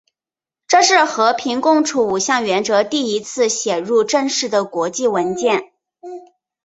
这是和平共处五项原则第一次写入正式的国际文件。